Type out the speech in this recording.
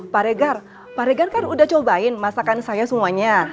pak regar pak regan kan udah cobain masakan saya semuanya